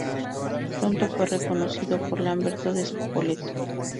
Pronto fue reconocido por Lamberto de Spoleto.